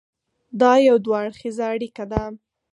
دا یو دوه اړخیزه اړیکه ده.